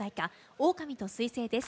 「オオカミと彗星」です。